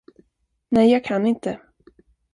Nej, jag kan inte.